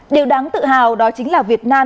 điều đáng tự hào đó chính là việt nam